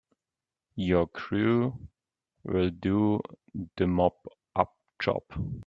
Your crew will do the mop up job.